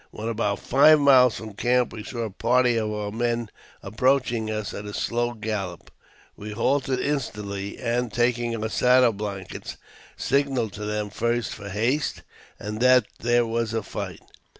When about five miles from the camp we saw a party of our men approaching us at a slow gallop. We halted instantly, and, taking our saddle blankets, signalled to them first for haste, and then that there was a fight.